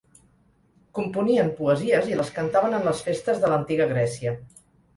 Componien poesies i les cantaven en les festes de l'antiga Grècia.